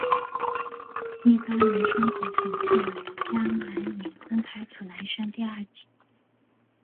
一般男生组前四名将来年公开组男生第二级。